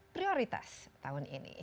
prioritas tahun ini